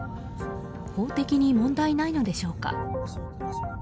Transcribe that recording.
法的に問題ないのでしょうか。